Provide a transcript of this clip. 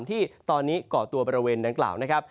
ที่ตอนนี้ก่อตัวบริเวณดังกล่าวนะครับ